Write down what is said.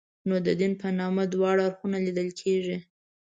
نو د دین په نامه دواړه اړخونه لیدل کېږي.